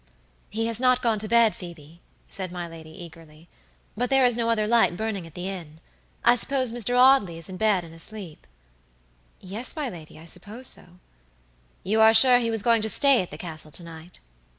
"He has not gone to bed, Phoebe," said my lady, eagerly. "But there is no other light burning at the inn. I suppose Mr. Audley is in bed and asleep." "Yes, my lady, I suppose so." "You are sure he was going to stay at the Castle to night?"